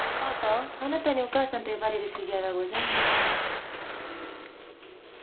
あなたに「お母さん」と呼ばれる筋合いはございません。